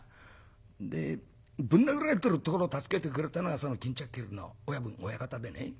でぶん殴られてるところを助けてくれたのが巾着切りの親分親方でね